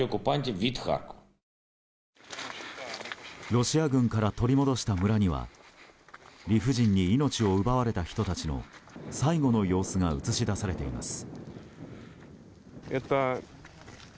ロシア軍から取り戻した村には理不尽に命を奪われた人たちの最後の様子が映し出されています。